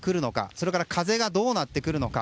それから風がどうなってくるのか。